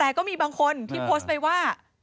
แต่ก็มีบางคนที่โพสต์ไปว่า